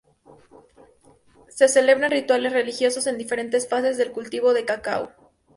Se celebraban rituales religiosos en diferentes fases del cultivo del cacao.